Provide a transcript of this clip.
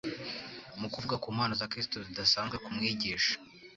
Mu kuvuga ku mpano za Kristo zidasanzwe nk’umwigisha,